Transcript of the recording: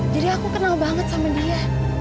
jadi aku kenal banget sama dia